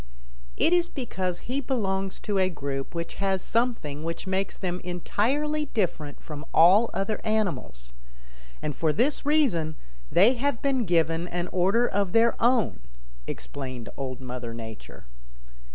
"It is because he belongs to a group which has something which makes them entirely different from all other animals, and for this reason they have been given an order of their own," explained Old Mother Nature.